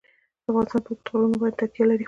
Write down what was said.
افغانستان په اوږده غرونه باندې تکیه لري.